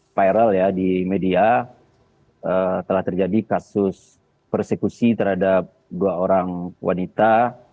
spiral ya di media telah terjadi kasus persekusi terhadap dua orang wanita